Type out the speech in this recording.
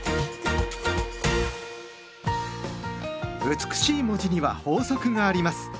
美しい文字には法則があります。